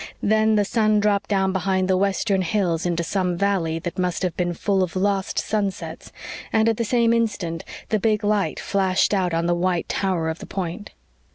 Then the sun dropped down behind the western hills into some valley that must have been full of lost sunsets, and at the same instant the big light flashed out on the white tower of the point.